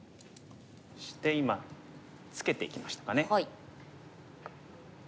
そして今ツケていきましたかね。はい。